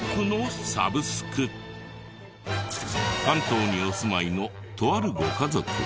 関東にお住まいのとあるご家族。